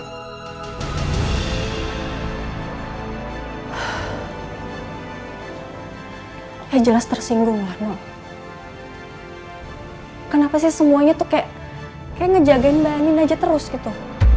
ya jelas tersinggung lah nol kenapa sih semuanya tuh kayak ngejagain mbak andin aja terus gitu